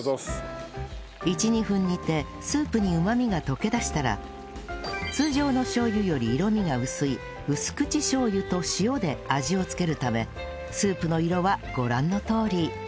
１２分煮てスープにうまみが溶けだしたら通常のしょう油より色味が薄い薄口しょう油と塩で味を付けるためスープの色はご覧のとおり